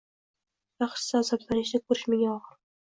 Yaxshisi: “Azoblanishingni ko‘rish menga og‘ir.